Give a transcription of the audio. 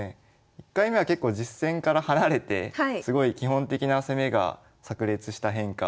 １回目は結構実戦から離れてすごい基本的な攻めがさく裂した変化を解説したんですけど。